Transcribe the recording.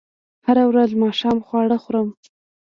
هره ورځ ماښام خواړه خورم